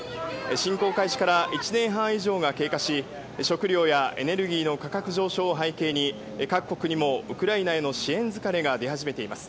侵攻開始から１年半以上が経過し食料やエネルギーの価格上昇を背景に各国にも、ウクライナへの支援疲れが出始めています。